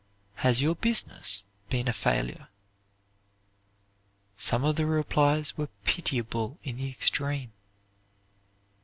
Has your business been a failure?" Some of the replies were pitiable in the extreme.